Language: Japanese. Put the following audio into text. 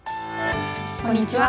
こんにちは。